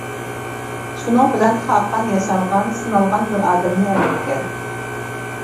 شۇنىڭ بىلەن خاقان ياشانغان، سىنالغان بىر ئادەمنى ئەۋەتكەن.